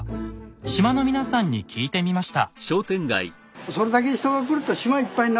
島の皆さんに聞いてみました。